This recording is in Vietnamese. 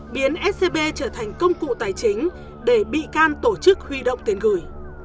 biến scb trở thành công cụ tài chính để bị can tổ chức huy động tiền gửi